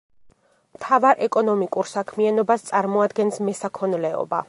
მთავარ ეკონომიკურ საქმიანობას წარმოადგენს მესაქონლეობა.